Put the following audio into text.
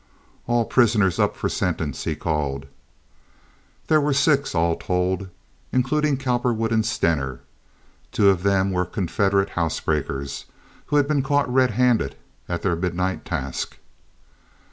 "All prisoners up for sentence," he called. There were six, all told, including Cowperwood and Stener. Two of them were confederate housebreakers who had been caught red handed at their midnight task.